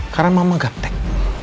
karena mama gateng